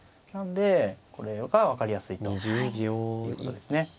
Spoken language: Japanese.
なんでこれが分かりやすいということですね。